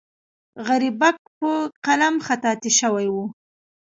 غریبک په قلم خطاطي شوې وه.